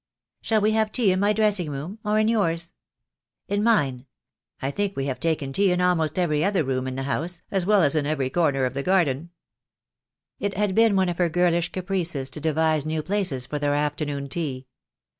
" Shall we have tea in my dressing room — or in yours?" "In mine. I think we have taken tea in almost every other room in the house, as well as in every corner of the garden." It had been one of her girlish caprices to devise new places for their afternoon tea.